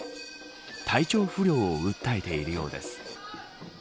体調不良を訴えているようです。